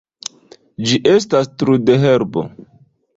Ĝi estas trudherbo.